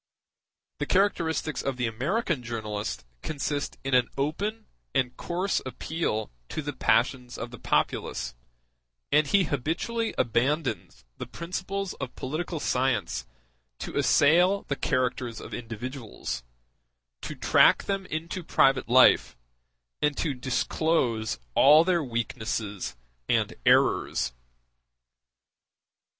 The characteristics of the American journalist consist in an open and coarse appeal to the passions of the populace; and he habitually abandons the principles of political science to assail the characters of individuals, to track them into private life, and disclose all their weaknesses and errors.